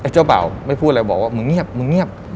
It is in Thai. เจ้าบ่าวไม่พูดอะไรบอกว่ามึงเงียบมึงเงียบ